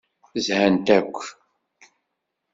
Zhant akk.